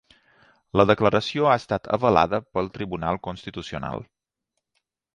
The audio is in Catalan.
La declaració ha estat avalada pel Tribunal Constitucional